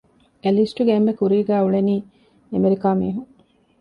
އެ ލިސްޓްގެ އެންމެ ކުރީގައި އުޅެނީ އެމެރިކާ މީހުން